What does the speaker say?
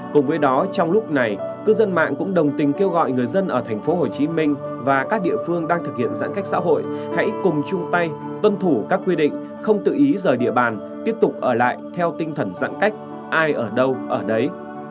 cùng với đó trong lúc này cư dân mạng cũng đồng tình kêu gọi người dân ở tp hcm và các địa phương đang thực hiện giãn cách xã hội hãy cùng chung tay tuân thủ các quy định không tự ý rời địa bàn tiếp tục ở lại theo tinh thần giãn cách ai ở đâu ở đấy